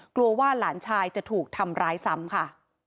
กลัวว่าหลานชายจะถูกทำร้ายซ้ำค่ะ